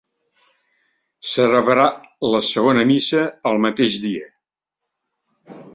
Celebrar la segona missa el mateix dia.